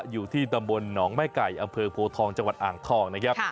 อยู่ที่ตำบลหนองแม่ไก่อำเภอโพทองจังหวัดอ่างทองนะครับ